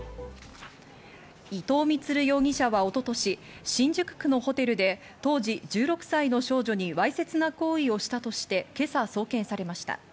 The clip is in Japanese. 伊藤充容疑者は一昨年、新宿区のホテルで当時１６歳の少女に、わいせつな行為をしたとして今朝、送検されました。